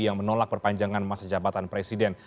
yang menolak perpanjangan masa jabatan presiden